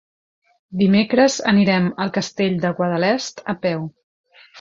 Dimecres anirem al Castell de Guadalest a peu.